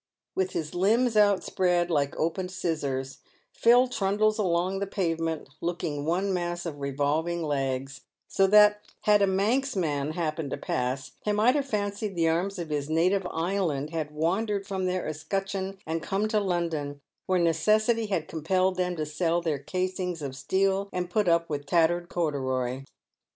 "With his limbs outspread like opened scissors, Phil trundles along the pavement, looking one mass of revolving legs ; so that, had a Manx man happened to pass, he might have fancied the arms of his native island had wandered from their escutcheon and come to London, where necessity had compelled them to sell their casings of steel and put up with tattered corduroy.